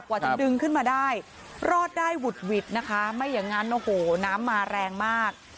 จะดึงขึ้นมาได้รอดได้หุดหวิดนะคะไม่อย่างนั้นโอ้โหน้ำมาแรงมาก